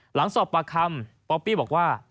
หลังสอบปากคำป๊อปปี้บอกว่า